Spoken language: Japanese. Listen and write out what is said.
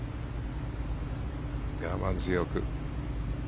我慢強く。